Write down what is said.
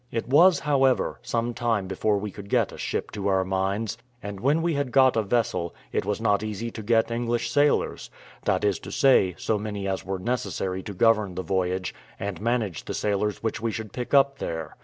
It was, however, some time before we could get a ship to our minds, and when we had got a vessel, it was not easy to get English sailors that is to say, so many as were necessary to govern the voyage and manage the sailors which we should pick up there.